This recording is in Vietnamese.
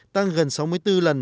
tăng gần sáu mươi bốn lần